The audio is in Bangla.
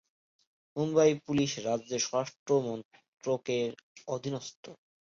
মুম্বই পুলিশ রাজ্য স্বরাষ্ট্র মন্ত্রকের অধীনস্থ।